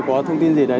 có thông tin gì đấy